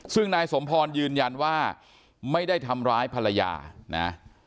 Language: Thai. ซึ่งนายสมพรยืนยันว่าไม่ได้ทำร้ายภรรยานะ